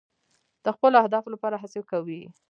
د خپلو اهدافو لپاره هڅې کوئ.